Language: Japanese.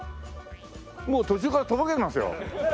もう途中からとぼけてますよ。